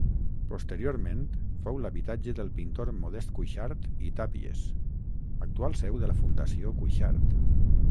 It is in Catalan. Posteriorment, fou l'habitatge del pintor Modest Cuixart i Tàpies, actual seu de la Fundació Cuixart.